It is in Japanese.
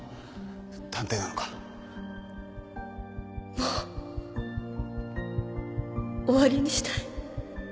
もう終わりにしたい